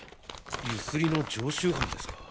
ユスリの常習犯ですか。